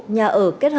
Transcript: nhà ở kết hợp